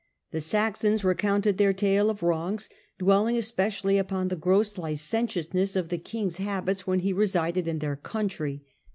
The Saxons recounted their tale of wrongs, dwelling especi ally upon the gross licentiousness of the king's habits when he resided in their country.